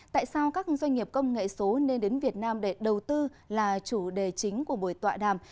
tại sao các doanh nghiệp công nghệ số nên đến việt nam để đầu tư là chủ đề chính của buổi tọa đàm